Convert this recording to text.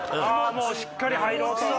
しっかり入ろうと。